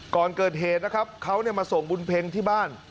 ก่อนเกิดเหตุนะครับเขามาส่งบุญเพ็งที่บ้าน